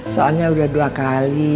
soalnya udah dua kali